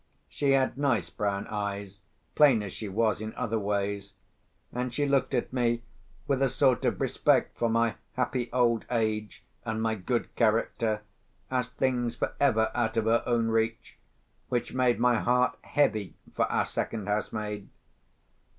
She had nice brown eyes, plain as she was in other ways—and she looked at me with a sort of respect for my happy old age and my good character, as things for ever out of her own reach, which made my heart heavy for our second housemaid.